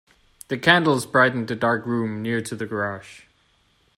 The candles brightened the dark room near to the garage.